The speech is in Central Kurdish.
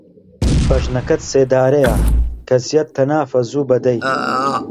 بەژنەکەت سێدارەیە، کەزیەت تەنافە زووبە دەی